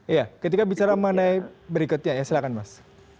ya ketika bicara mana berikutnya ya silahkan mas